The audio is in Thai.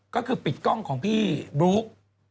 ก็คือปิดกล้องของพี่บลุ๊ก